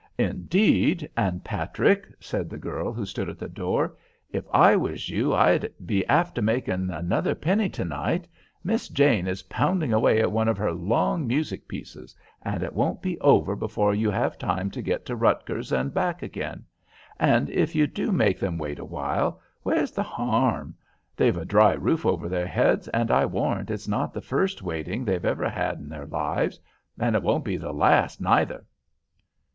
"Indeed and Patrick," said the girl who stood at the door, "if I was you I'd be after making another penny to night. Miss Jane is pounding away at one of her long music pieces, and it won't be over before you have time to get to Rutgers and back again. And if you do make them wait awhile, where's the harm? They've a dry roof over their heads, and I warrant it's not the first waiting they've ever had in their lives; and it won't be the last neither."